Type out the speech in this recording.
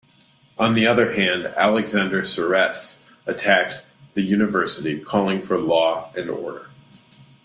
On the other hand, Alexander Sceresse attacked the University, calling for law and order.